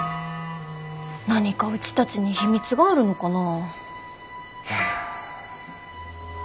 何かうちたちに秘密があるのかな？